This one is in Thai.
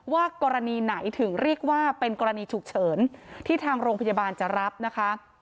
ว่ากรณีไหนถึงเรียกว่าเป็นกรณีฉุกเฉินที่ทางโรงพยาบาลจะรับนะคะ